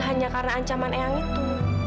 hanya karena ancaman yang itu